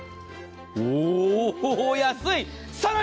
おお、安い。